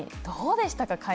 どうでしたか？